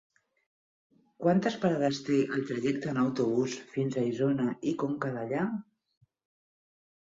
Quantes parades té el trajecte en autobús fins a Isona i Conca Dellà?